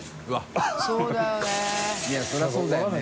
そりゃそうだよね。